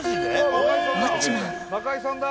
あっ中居さんだ！